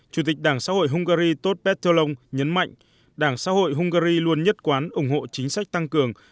chủ tịch đảng xã hội hungary toth bertholong nhấn mạnh đảng xã hội hungary luôn nhất quán ủng hộ chính sách tăng cường